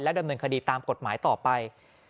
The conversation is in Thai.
ดำเนินคดีตามกฎหมายต่อไป